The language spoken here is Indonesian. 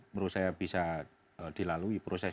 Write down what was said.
menurut saya bisa dilalui proses